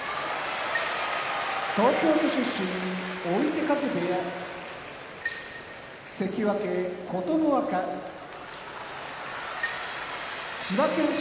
東京都出身追手風部屋関脇・琴ノ若千葉県出身